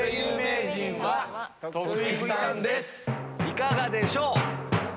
いかがでしょう？